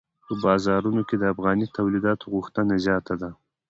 په بازار کې د افغاني تولیداتو غوښتنه زیاته ده.